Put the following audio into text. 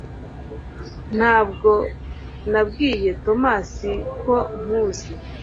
Ntabwo nabwiye Tomasi ko nkuzi